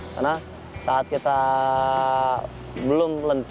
karena saat kita belum